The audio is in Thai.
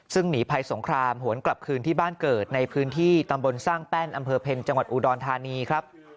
ซึ่งหนีภัยสงครามหวนกลับคืนที่บ้านเกิดในพื้นที่ตำบลสร้างแป้นอำเภอเพ็ญจังหวัดอุดรธานีครับ